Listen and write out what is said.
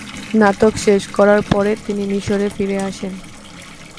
স্নাতক শেষ করার পরে তিনি মিশরে ফিরে আসেন।